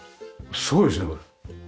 すごいですねこれ。